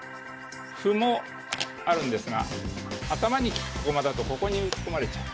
歩もあるんですが頭に利く駒だとここに打ち込まれちゃう。